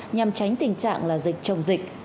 nhằm tránh tình trạng là dịch chồng dịch